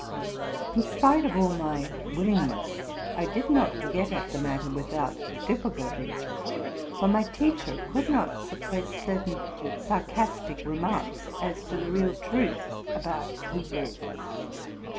In spite of all my willingness, I did not get at the matter without difficulty ; for my teacher could not suppress cer tain sarcastic remarks as to the real truth about Hebrew.